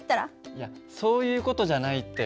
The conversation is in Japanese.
いやそういう事じゃないって。